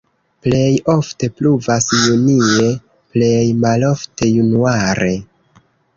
Plej ofte pluvas junie, plej malofte januare.